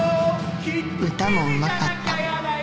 歌もうまかった